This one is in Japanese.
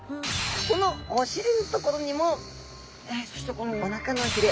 ここのお尻の所にもそしてこのおなかのヒレ